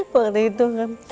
waktu itu kan